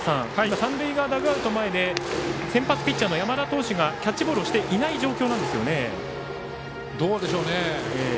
三塁側のダグアウト前で先発ピッチャーの山田投手がキャッチボールをしてない状況。